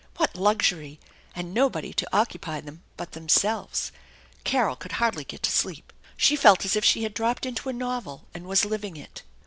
What luxury! And nobody to occupy them but themselves! Carol could hardly get to sleep. She felt as if she had dropped into a novel and was living it.